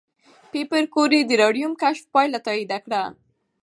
پېیر کوري د راډیوم کشف پایله تایید کړه.